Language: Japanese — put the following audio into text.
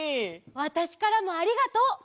わたしからもありがとう。